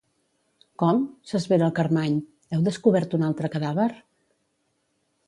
Com? —s'esvera el Carmany— Heu descobert un altre cadàver?